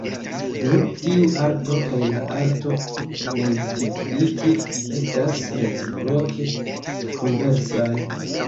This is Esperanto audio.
Nu tiu arto kaj la arto multimpliki estas reciproke konversaj.